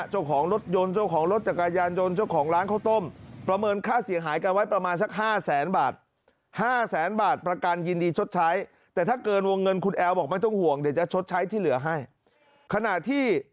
เจ้าของรถยนต์เจ้าของรถจักรรยานยนต์